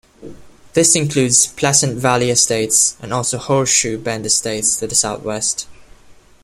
This includes Pleasant Valley estates and also Horseshoe Bend estates to the southwest.